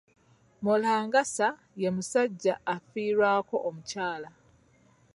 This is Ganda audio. Mulangansa ye musajja ayafiirwako omukyala.